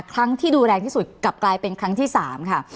ครั้งที่ดูแรงที่สุดกลับกลายเป็นครั้งที่๓ค่ะ